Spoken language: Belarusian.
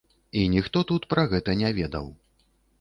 І ніхто тут пра гэта не ведаў.